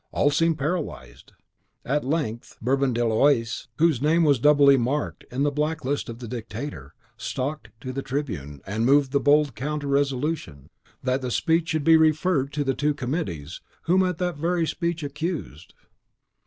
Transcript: All seemed paralyzed. At length Bourdon de l'Oise, whose name was doubly marked in the black list of the Dictator, stalked to the tribune, and moved the bold counter resolution, that the speech should be referred to the two committees whom that very speech accused.